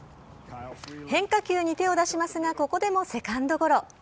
変化球に手を出しますが、ここでもセカンドゴロ。